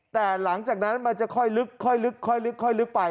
แต่หลังจากนั้นมันจะค่อยลึกไป